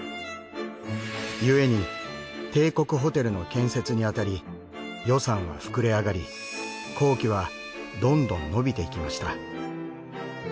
ゆえに「帝国ホテル」の建設にあたり予算は膨れ上がり工期はどんどん延びていきました。